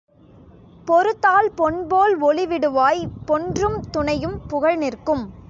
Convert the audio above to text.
பொறுத்தால் பொன்போல் ஒளிவிடுவாய் பொன்றும் துணையும் புகழ் நிற்கும்.